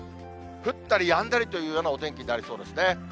降ったりやんだりというようなお天気になりそうですね。